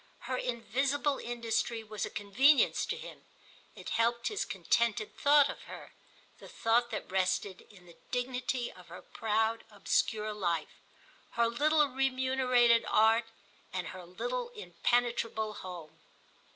Her invisible industry was a convenience to him; it helped his contented thought of her, the thought that rested in the dignity of her proud obscure life, her little remunerated art and her little impenetrable home.